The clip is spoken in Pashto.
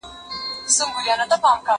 د ښار خلک د حیرت ګوته په خوله وه